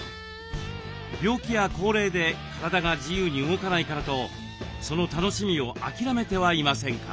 病気や高齢で体が自由に動かないからとその楽しみを諦めてはいませんか？